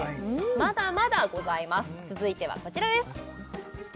まだまだございます続いてはこちらです